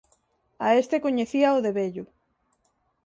A este coñecíao de vello.